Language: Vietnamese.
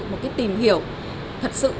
một cái tìm hiểu thật sự